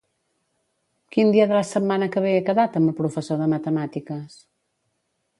Quin dia de la setmana que ve he quedat amb el professor de matemàtiques?